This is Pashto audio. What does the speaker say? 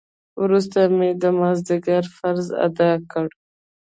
وروسته مې د مازديګر فرض ادا کړ.